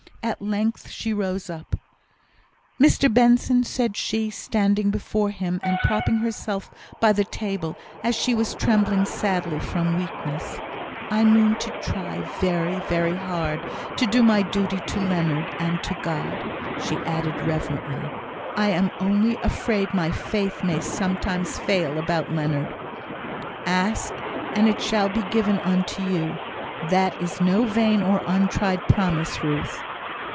At length she rose up. "Mr Benson!" said she, standing before him, and propping herself by the table, as she was trembling sadly from weakness, "I mean to try very, very hard, to do my duty to Leonard and to God," she added, reverently. "I am only afraid my faith may sometimes fail about Leonard " "Ask, and it shall be given unto you. That is no vain or untried promise, Ruth!"